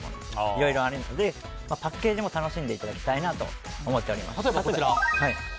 いろいろあるのでパッケージも楽しんでいただきたいなと例えば、こちら。